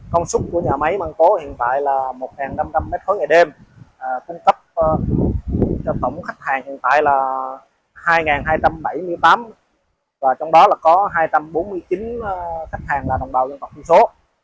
công suất của nhà máy măng tố hiện tại là một năm trăm linh m ba ngày đêm cung cấp cho tổng khách hàng hiện tại là hai hai trăm bảy mươi tám và trong đó là có hai trăm bốn mươi chín khách hàng là đồng bào dân tộc thiểu số